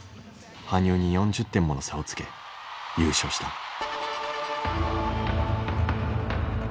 羽生に４０点もの差をつけ優勝した。